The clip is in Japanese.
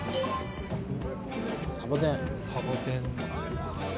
サボテン。